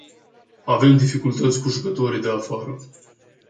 Avem dificultăți cu jucătorii de afară.